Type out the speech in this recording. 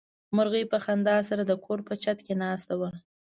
مرغۍ په خندا سره د کور په چت کې ناسته وه.